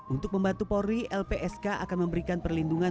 untuk membantu polri lpsk akan memberikan perlindungan